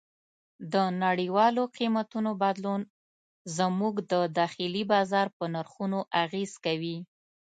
د نړیوالو قیمتونو بدلون زموږ د داخلي بازار په نرخونو اغېز کوي.